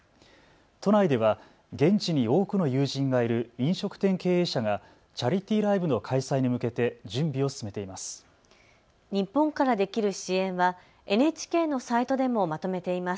都内では現地に多くの友人がいる飲食店経営者がチャリティーライブの開催に向けて準備を進めています。